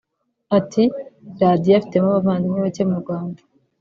Ati “Radio afitemo abavandimwe bake mu Rwanda